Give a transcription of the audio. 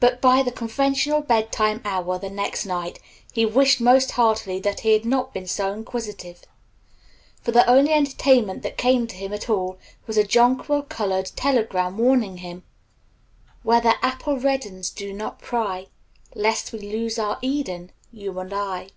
But by the conventional bed time hour the next night he wished most heartily that he had not been so inquisitive, for the only entertainment that came to him at all was a jonquil colored telegram warning him "Where the apple reddens do not pry, Lest we lose our Eden you and I."